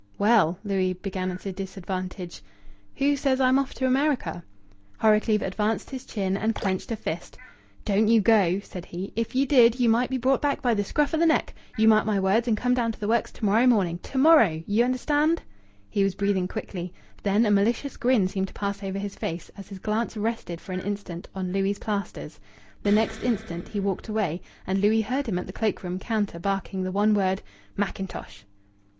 "Well " Louis began at a disadvantage. "Who says I'm off to America?" Horrocleave advanced his chin and clenched a fist. "Don't you go!" said he. "If ye did, ye might be brought back by the scruff o' the neck. You mark my words and come down to the works to morrow morning to morrow, ye understand!" He was breathing quickly. Then a malicious grin seemed to pass over his face as his glance rested for an instant on Louis' plasters. The next instant he walked away, and Louis heard him at the cloak room counter barking the one word, "Mackintosh."